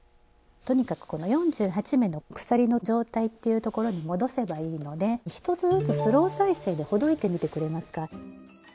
とにかくこの４８目の鎖の状態っていうところに戻せばいいので１つずつ「スロー再生」でほどいてみてくれますか？